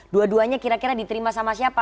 dua duanya kira kira diterima sama siapa